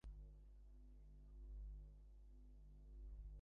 বাইরে থেকে দেখতে পাবেন কয়লার আগুনে শিকে ভরা কিমা কাবাব হওয়ার দৃশ্য।